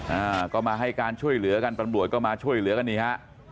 อ่าก็มาให้การช่วยเหลือกันตำรวจก็มาช่วยเหลือกันนี่ฮะ